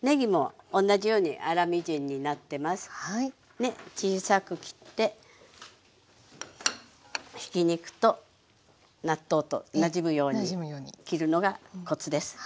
ね小さく切ってひき肉と納豆となじむように切るのがコツです。